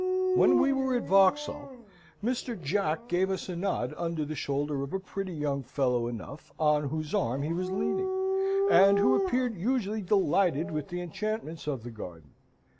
When we were at Vauxhall, Mr. Jack gave us a nod under the shoulder of a pretty young fellow enough, on whose arm he was leaning, and who appeared hugely delighted with the enchantments of the garden.